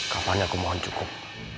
kapan aku mohon cukup